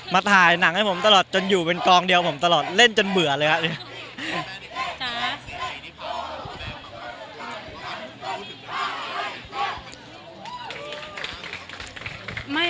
ถ่ายหนังให้ผมตลอดจนอยู่เป็นกองเดียวผมตลอดเล่นจนเบื่อเลยครับ